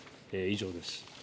以上です。